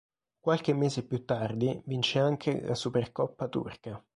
Qualche mese più tardi vince anche la Supercoppa turca.